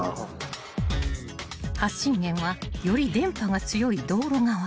［発信源はより電波が強い道路側］